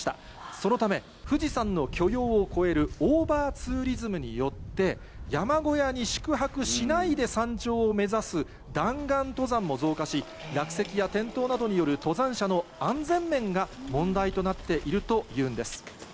そのため、富士山の許容を超えるオーバーツーリズムによって、山小屋に宿泊しないで山頂を目指す、弾丸登山も増加し、落石や転倒などによる登山者の安全面が問題となっているというんです。